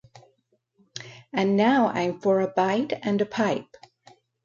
And now I'm for a bite and a pipe.